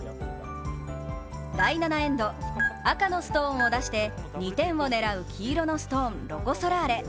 第７エンド、赤のストーンを出して２点を狙う黄色のストーン、ロコ・ソラーレ。